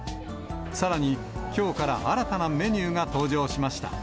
さらに、きょうから新たなメニューが登場しました。